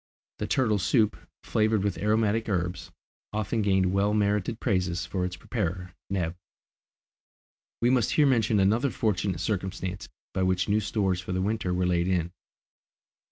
The turtle soup, flavoured with aromatic herbs, often gained well merited praises for its preparer, Neb. We must here mention another fortunate circumstance by which new stores for the winter were laid in.